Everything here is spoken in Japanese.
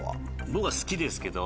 僕は好きですけど。